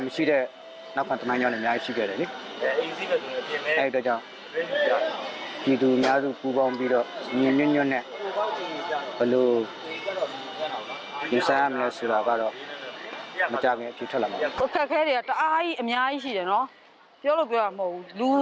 สู่โลหะอย่างสหรัฐ